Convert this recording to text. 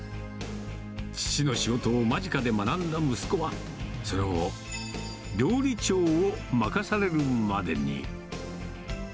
父の仕事を間近で学んだ息子は、その後、料理長を任されるまでに。